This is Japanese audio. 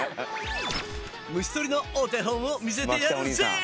虫とりのお手本を見せてやるぜ！